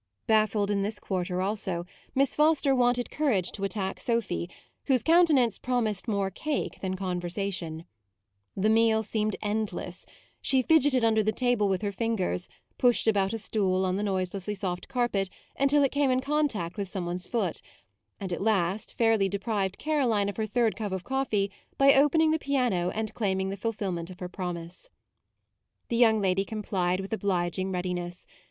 Baffled in this quarter also, Miss Foster wanted courage to attack Sophy, whose countenance promised more cake than conversation. The meal seemed endless; she fidgetted under the table with her fingers; pushed about a stool on the noise lessly soft carpet until it came in contact with some one's foot ; and at last fairly deprived Caroline of her third cup of coffee, by opening the piano and claiming the fulfillment of her promise. MAUDE 59 The young lady complied with obliging readiness.